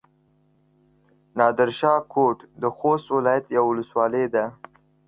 نادرشاه کوټ د خوست ولايت يوه ولسوالي ده.